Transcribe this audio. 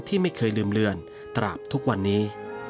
ที่ไม่เคยลืมเลือนตราบทุกวันนี้